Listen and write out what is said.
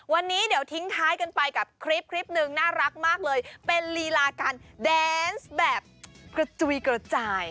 วันนี้เดี๋ยวทิ้งท้ายกันไปกับคลิปคลิปหนึ่งน่ารักมากเลยเป็นลีลาการแดนส์แบบกระจุยกระจาย